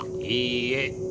いいえ。